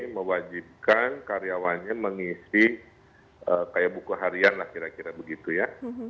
mewajibkan karyawannya mengisi kayak buku harian lah kira kira begitu ya